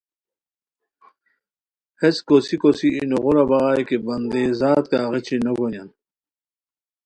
ہیس کوسی کوسی ای نوغورا بغائے کی بندہی زاد کا غیچی نوگونیان